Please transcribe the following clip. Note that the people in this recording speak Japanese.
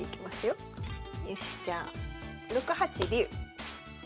よしじゃあ６八竜。